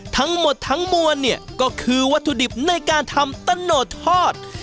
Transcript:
ทั้งหมดทั้งมวลเนี่ยก็คือวัตถุดิบในการทำตะโนดทอด